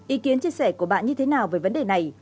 ý kiến chia sẻ của bạn như thế nào về vấn đề này